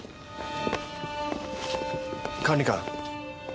管理官。